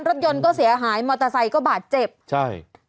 รถยนต์ก็เสียหายมอเตอร์ไซค์ก็บาดเจ็บใช่